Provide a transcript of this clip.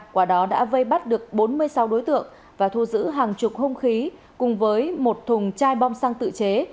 quả đó đã vây bắt được bốn mươi sáu đối tượng và thu giữ hàng chục hung khí cùng với một thùng chai bom xăng tự chế